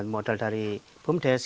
modal dari bumdes